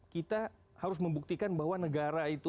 kita harus membuktikan bahwa negara itu